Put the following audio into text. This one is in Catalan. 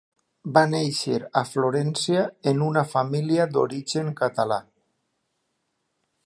Va néixer a Florència en una família d'origen català.